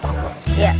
iya insya allah